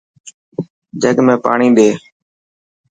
جگ ۾ پاڻي ڏي.